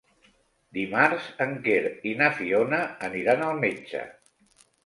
Dimarts en Quer i na Fiona aniran al metge.